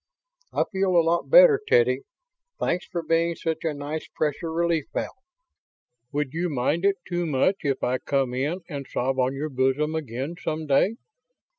"I feel a lot better, Teddy. Thanks for being such a nice pressure relief valve. Would you mind it too much if I come in and sob on your bosom again some day?"